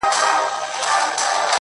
ټول بکواسیات دي